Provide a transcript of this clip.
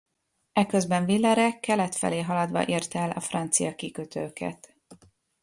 Eközben Villaret kelet felé haladva érte el a francia kikötőket.